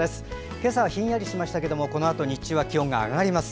今朝はひんやりしましたが日中は気温が上がります。